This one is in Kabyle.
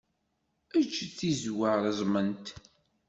Eǧǧ tizewwa reẓment.